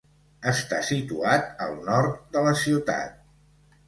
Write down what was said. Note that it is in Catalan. Està situat al nord de la ciutat.